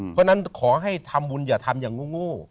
เพราะฉะนั้นขอให้ทำบุญอย่าทำอย่างโง่